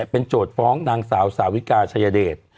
เป็นโจทย์ฟ้องนางสาวสาวิกาชายเดช